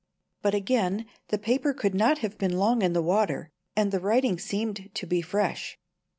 But again, the paper could not have been long in the water, and the writing seemed to be fresh.